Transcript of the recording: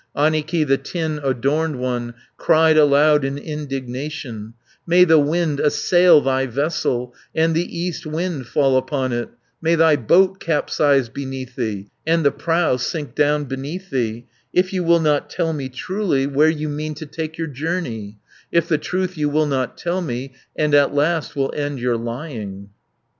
180 Annikki, the tin adorned one, Cried aloud in indignation: "May the wind assail thy vessel, And the east wind fall upon it, May thy boat capsize beneath thee, And the prow sink down beneath thee, If you will not tell me truly Where you mean to take your journey, If the truth you will not tell me, And at last will end your lying."